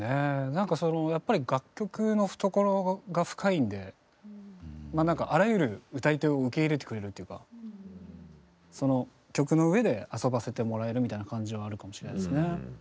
なんかそのやっぱり楽曲の懐が深いんでまあなんかあらゆる歌い手を受け入れてくれるっていうかその曲の上で遊ばせてもらえるみたいな感じはあるかもしれないですね。